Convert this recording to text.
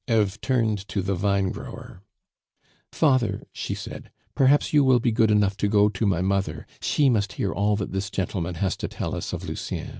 Eve turned to the vinegrower. "Father," she said, "perhaps you will be good enough to go to my mother; she must hear all that this gentleman has to tell us of Lucien."